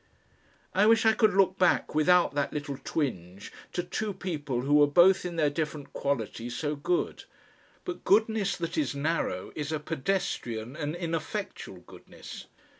I wish I could look back without that little twinge to two people who were both in their different quality so good. But goodness that is narrow is a pedestrian and ineffectual goodness.